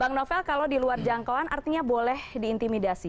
bang novel kalau di luar jangkauan artinya boleh diintimidasi